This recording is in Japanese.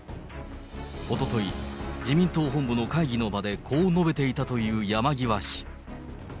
おととい、自民党本部の会議の場で、こう述べていたという山際氏。